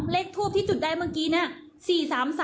เลขทูปที่จุดได้เมื่อกี้เนี่ย